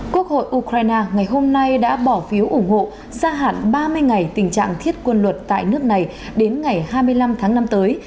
quốc hội ukraine ngày hôm nay đã bỏ phiếu ủng hộ gia hạn ba mươi ngày tình trạng thiết quân luật tại nước này đến ngày hai mươi năm tháng năm tới